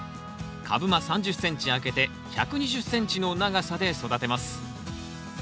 株間３０ｃｍ空けて１２０ｃｍの長さで育てます。